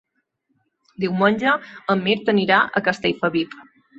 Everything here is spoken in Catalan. Diumenge en Mirt anirà a Castellfabib.